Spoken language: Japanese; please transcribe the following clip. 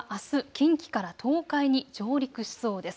近畿から東海に上陸しそうです。